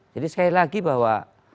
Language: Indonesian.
jadi sekali lagi bahwa